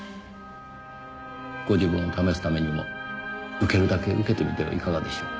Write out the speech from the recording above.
ご自分を試すためにも受けるだけ受けてみてはいかがでしょう？